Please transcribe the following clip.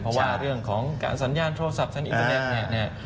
เพราะว่าเรื่องของการสัญญาณโทรศัพท์ทางอินเทอร์เน็ตเนี่ย